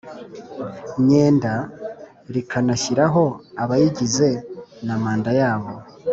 Myenda rikanashyiraho abayigize na manda yabo